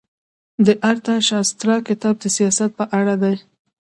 د ارتاشاسترا کتاب د سیاست په اړه دی.